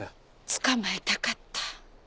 つかまえたかった。